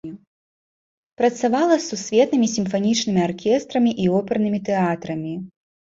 Працавала з сусветнымі сімфанічнымі аркестрамі і опернымі тэатрамі.